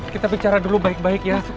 kita bicara dulu baik baik ya